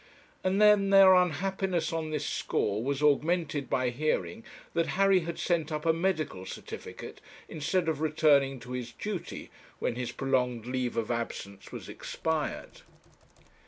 And then their unhappiness on this score was augmented by hearing that Harry had sent up a medical certificate, instead of returning to his duties when his prolonged leave of absence was expired.